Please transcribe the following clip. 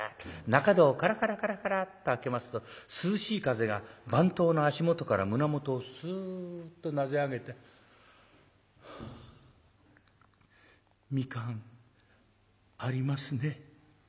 中戸をガラガラガラガラッと開けますと涼しい風が番頭の足元から胸元をスッとなであげて「はあ。蜜柑ありますね」。